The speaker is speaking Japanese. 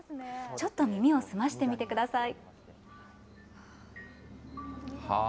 ちょっと耳を澄ませてみてください。